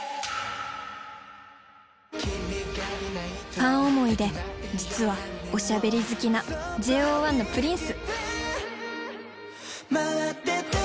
ファン思いで実はおしゃべり好きなＪＯ１のプリンス。